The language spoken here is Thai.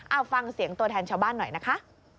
เอาฟังเสียงตัวแทนชาวบ้านหน่อยนะคะ